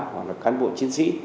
hoặc là cán bộ chiến sĩ